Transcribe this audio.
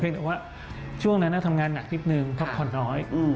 เพียงแต่ว่าช่วงนั้นน่ะทำงานหนักนิดนึงเพราะคนน้อย